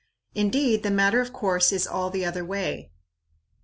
Indeed, the matter of course is all the other way.